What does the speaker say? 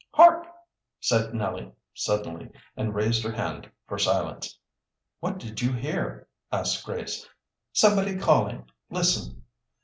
"Hark!" said Nellie suddenly, and raised her hand for silence. "What did you hear?" asked Grace. "Somebody calling. Listen!"